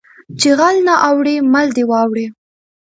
ـ چې غل نه اوړي مل دې واوړي .